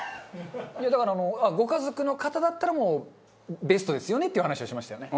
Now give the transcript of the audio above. いやだからあのご家族の方だったらもうベストですよねっていう話をしましたよね。